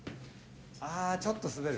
ああちょっと滑る？